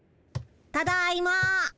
ただいま。